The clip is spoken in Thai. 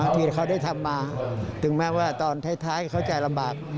ที่เขาได้ทำมาถึงแม้ว่าตอนท้ายเขาจะลำบาก